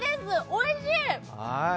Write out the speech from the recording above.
おいしい！